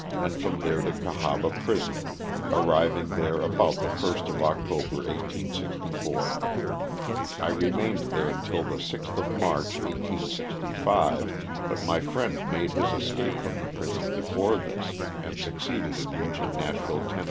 and from there to Cahaba prison, arriving there about the first of October, 1864. I remained there until the 6th of March, 1865, but my friend made his escape from the prison before this and suc ceeded in reaching Nashville, Tenn.